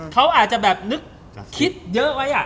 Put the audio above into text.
เขาอาจจะแบบนึกคิดเยอะไว้